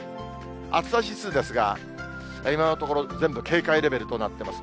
暑さ指数ですが、今のところ、全部警戒レベルとなっています。